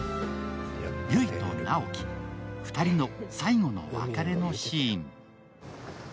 悠依と直木、２人の最後の別れのシーン。